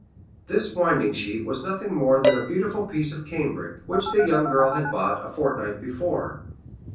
This winding sheet was nothing more than a beautiful piece of cambric, which the young girl had bought a fortnight before.